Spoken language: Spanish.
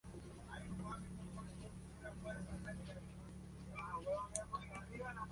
En Shaftesbury Avenue nació Cat Stevens.